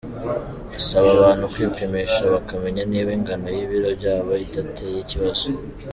Asaba abantu kwipimisha bakamenya niba ingano y’ibiro byabo idateye ikibazo.